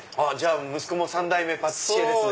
息子も３代目パティシエですね。